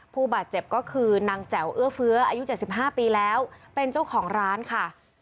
ผู้บาดเจ็บก็คือนางแจ๋วเอื้อเฟื้ออายุ๗๕ปีแล้วเป็นเจ้าของร้านค่ะ